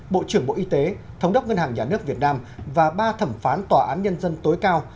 bộ trưởng bộ y tế thống đốc ngân hàng nhà nước việt nam và ba thẩm phán tòa án nhân dân tối cao